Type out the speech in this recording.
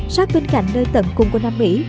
sát bên cạnh nơi tận cung của nam mỹ